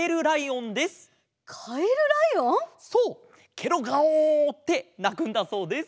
「ケロガオー」ってなくんだそうです！